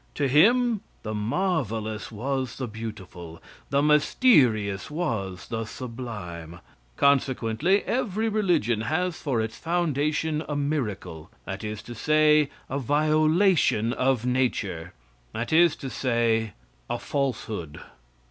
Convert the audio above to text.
To him the marvelous was the beautiful, the mysterious was the sublime. Consequently, every religion has for its foundation a miracle that is to say, a violation of nature that is to say, a falsehood.